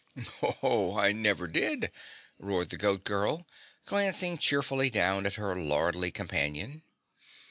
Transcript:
"Ho, ho, I never did," roared the Goat Girl, glancing cheerfully down at her lordly companion.